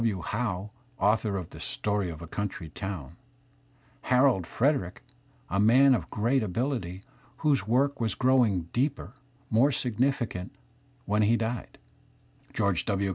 W. Howe, author of "The Story of a Coimtry Town"; Harold^JVedgjic, a man of great abiUty, whose work was growing deeper, more significant when he died; George W.